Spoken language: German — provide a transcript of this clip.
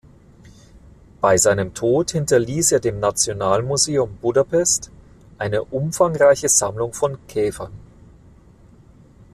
Bei seinem Tod hinterließ er dem Nationalmuseum Budapest eine umfangreiche Sammlung von Käfern.